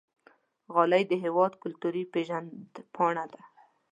غالۍ د هېواد کلتوري پیژند پاڼه ده.